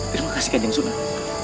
terima kasih kanjeng sunan